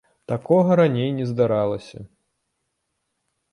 Такога раней не здаралася.